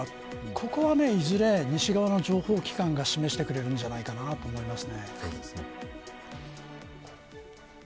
ここはいずれ西側の情報機関が示してくれるんじゃないかなと思います。